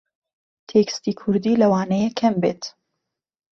تێکستی کووردی لەوانەیە کەم بێت